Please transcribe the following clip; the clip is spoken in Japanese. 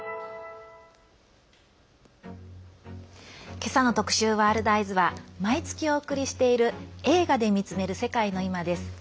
今朝の特集「ワールドＥＹＥＳ」は毎月お送りしている「映画で見つめる世界のいま」です。